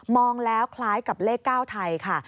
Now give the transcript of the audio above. องแล้วคล้ายกับเลข๙ไทยค่ะ